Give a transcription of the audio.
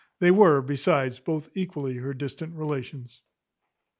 They were, besides, both equally her distant relations.